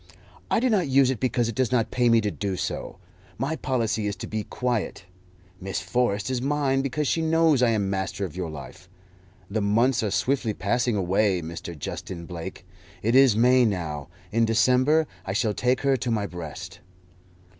"I do not use it because it does not pay me to do so. My policy is to be quiet. Miss Forrest is mine because she knows I am master of your life. The months are swiftly passing away, Mr. Justin Blake. It is May now; in December I shall take her to my breast."